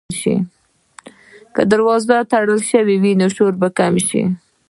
که دروازه وتړل شي، نو شور به کم شي.